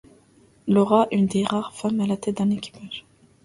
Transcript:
Laura est une des rares femmes à la tête d'un équipage.